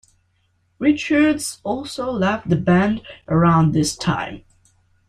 Richards also left the band around this time.